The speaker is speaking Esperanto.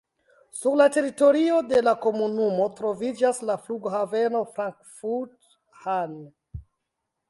Sur la teritorio de la komunumo troviĝas la flughaveno Frankfurt-Hahn.